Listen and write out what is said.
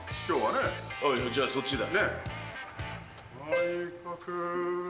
じゃあそっちだ。